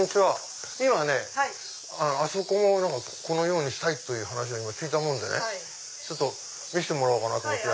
あそこもこのようにしたいって話を聞いたもんでね見せてもらおうかなと思って。